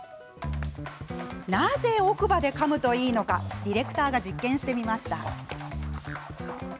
なぜ奥歯で、かむのがいいのかディレクターが実験してみました。